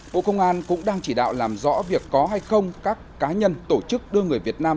bộ công an cũng đang chỉ đạo làm rõ việc có hay không các cá nhân tổ chức đưa người việt nam